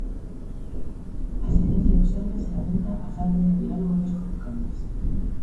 A xerencia do Sergas lamenta a falta de diálogo dos convocantes.